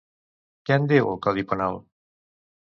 Què en diu, el Codi Penal?